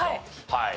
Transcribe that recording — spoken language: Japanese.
はい。